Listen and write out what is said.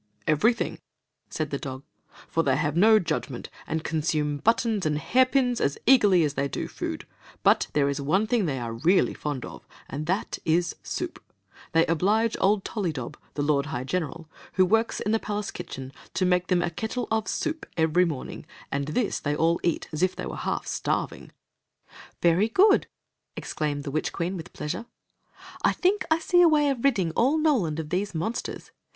"Everything," said the dog; "for they have no judgment,' and consume buttons and hairpins as eagerly as they do food. But there is one thing they are really fond of, and that is 9lliiii< They oblige old ToUydob, the lord high geneill^^^hd wories in the palace kitchen, to make them a kettle of soup every morning; and this they all eat as if they were half starving.'* Storj^ of the Magic Cloak 273 Very good!" exclaimed the witch queen, with pleasure. " I think I see a way of ridding all No land of these monsters.